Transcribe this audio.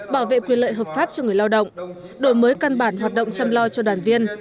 bảo vệ quyền lợi hợp pháp cho người lao động đổi mới căn bản hoạt động chăm lo cho đoàn viên